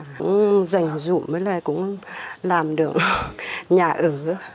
cũng dành dụng với lại cũng làm được nhà ở